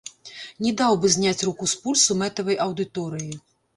Не даў бы зняць руку з пульсу мэтавай аўдыторыі.